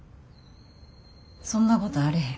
そんなことあれへん。